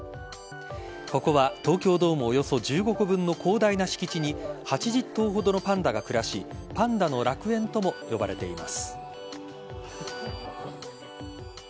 ここは東京ドームおよそ１５個分の広大な敷地に８０頭ほどのパンダが暮らしパンダの楽園とも呼ばれています。